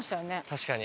確かに。